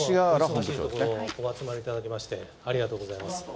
お集まりいただきまして、ありがとうございます。